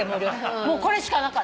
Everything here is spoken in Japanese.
もうこれしかなかった。